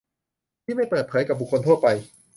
ที่ไม่เปิดเผยกับบุคคลทั่วไป